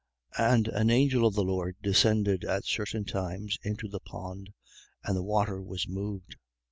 5:4. And an angel of the Lord descended at certain times into the pond and the water was moved.